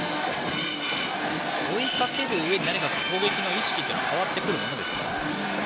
追いかけるうえで攻撃の意識は変わってきますか？